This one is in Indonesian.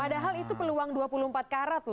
padahal itu peluang dua puluh empat karat tuh